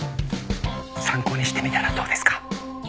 参考にしてみたらどうですか？